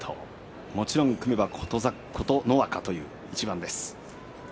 もちろん組めば琴ノ若という一番。